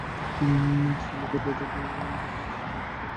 ত্রিলোকের প্রত্যেক জীবের উদ্দেশ্যে শুভেচ্ছা প্রেরণ কর।